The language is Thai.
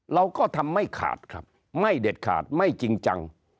เราก็ทำไม่ขาดครับไม่เด็ดขาดไม่จริงจัง